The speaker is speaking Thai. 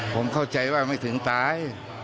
ผมเข้าใจว่าไม่ถึงตาย